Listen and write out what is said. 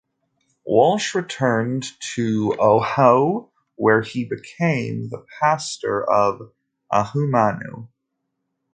Walsh returned to Oahu, where he became the pastor of Ahuimanu.